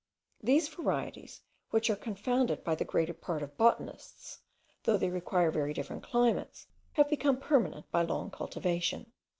These varieties, which are confounded by the greater part of botanists, though they require very different climates, have become permanent by long cultivation.